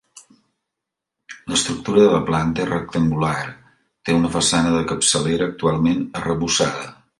L'estructura de la planta és rectangular, té una façana de capçalera, actualment arrebossada.